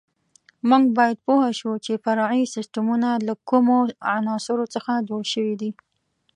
موږ باید پوه شو چې فرعي سیسټمونه له کومو عناصرو څخه جوړ شوي دي.